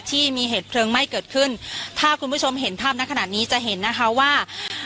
ที่มีเหตุเพลิงไหม้เกิดขึ้นถ้าคุณผู้ชมเห็นภาพนักขนาดนี้จะเห็นนะคะว่า